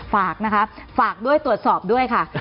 ฝากนะคะฝากด้วยตรวจสอบด้วยค่ะ